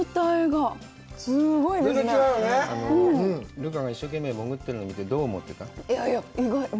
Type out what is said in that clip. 留伽が一生懸命潜ってるの見てどう思ってた？